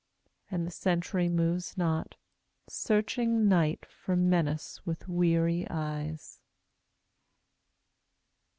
And the sentry moves not, searching Night for menace with weary eyes.